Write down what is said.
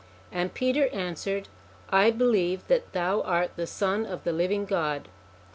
and Peter answered: I believe that ' Thou art the Son of the living God.'